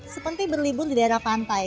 seperti berlibur di daerah pantai